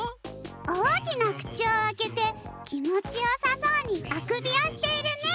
おおきなくちをあけてきもちよさそうにあくびをしているね。